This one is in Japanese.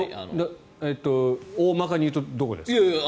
大まかに言うとどこですか？